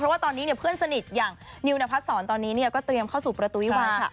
ว่าตอนนี้เพื่อนสนิทอย่างนิวนพัดศรตอนนี้ก็เตรียมเข้าสู่ประตูวิวาค่ะ